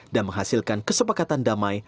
dan menghasilkan kesepakatan damai